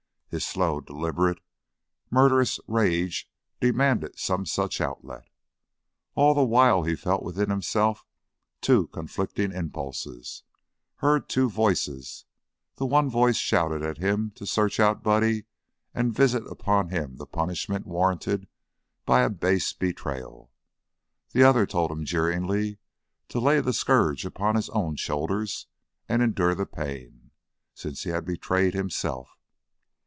His slow, deliberate, murderous rage demanded some such outlet. All the while he felt within himself two conflicting impulses, heard two voices: the one voice shouted at him to search out Buddy and visit upon him the punishment warranted by a base betrayal; the other told him jeeringly to lay the scourge upon his own shoulders and endure the pain, since he had betrayed himself.